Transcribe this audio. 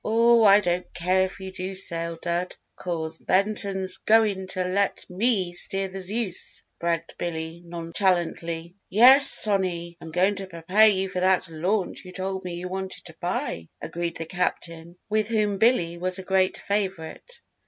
"Oh, I don't care if you do sail, Dud, 'cause Benton's goin' to let me steer the Zeus," bragged Billy, nonchalantly. "Yes, Sonny, I'm going to prepare you for that launch you told me you wanted to buy," agreed the Captain with whom Billy was a great favourite.